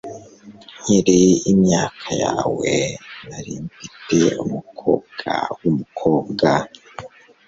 Nkiri imyaka yawe, nari mfite umukobwa wumukobwa.